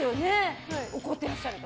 怒っていらっしゃると。